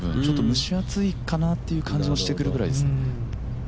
蒸し暑いかなという感じもしてくるぐらいですね。